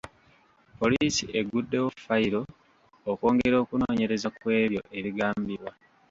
Poliisi egguddewo fayiro okwongera okunoonyereza ku ebyo ebigambibwa.